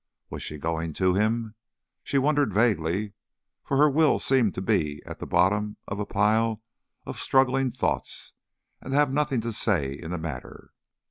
Was she going to him? She wondered vaguely, for her will seemed to be at the bottom of a pile of struggling thoughts and to have nothing to say in the matter.